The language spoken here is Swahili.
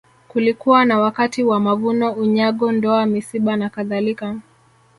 Kulikuwa na wakati wa mavuno unyago ndoa misiba na kadhalika